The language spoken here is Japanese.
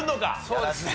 そうですね。